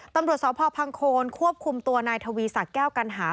ตำรวจสพพังโคนควบคุมตัวนายทวีศักดิ์แก้วกัณหา